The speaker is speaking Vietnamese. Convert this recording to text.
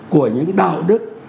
của những đạo đức